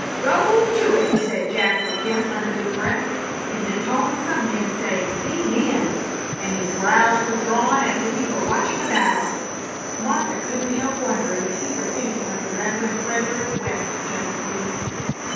"Go to it!" said Jasper Kemp under his breath in the tone some men say "Amen!" and his brows were drawn as if he were watching a battle. Margaret couldn't help wondering if he were thinking of the Rev. Frederick West just then.